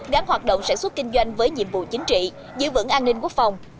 gắn hoạt động sản xuất kinh doanh với nhiệm vụ chính trị giữ vững an ninh quốc phòng